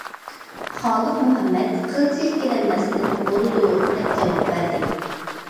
خالىق مۇھەممەد قىلچە ئىككىلەنمەستىن:‹‹ بولىدۇ››، دەپ جاۋاب بەردى.